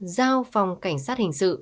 giao phòng cảnh sát hình sự